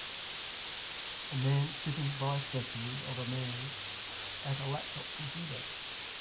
A man sitting by a statue of a man at a laptop computer.